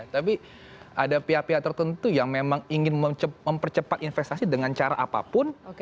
tapi ada pihak pihak tertentu yang memang ingin mempercepat investasi dengan cara apapun